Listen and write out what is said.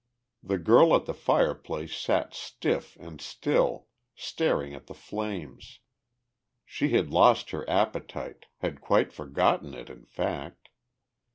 The girl at the fireplace sat stiff and still, staring at the flames; she had lost her appetite, had quite forgotten it in fact.